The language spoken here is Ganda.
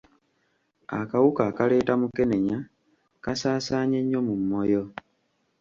Akawuka akaleeta mukenenya kasaasaanye nnyo mu Moyo.